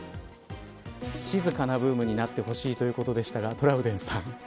静かなブームになってほしいということでしたがトラウデンさん。